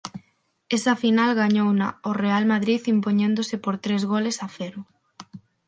Esa final gañouna o Real Madrid impoñéndose por tres goles a cero.